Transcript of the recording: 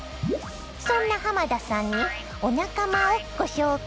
そんな濱田さんにお仲間をご紹介！